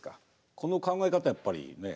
この考え方はやっぱりねえ